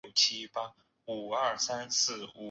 这批战机被用于飞行员训练之用。